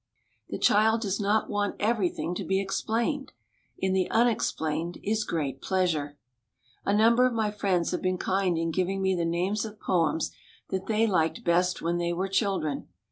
... The child does not want everything to be explained. In the unexplained is great pleasure." A number of my friends have been kind in giving me the names of poems that they liked best when they were chil dren.